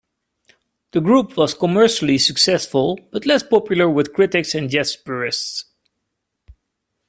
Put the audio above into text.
The group was commercially successful but less popular with critics and jazz purists.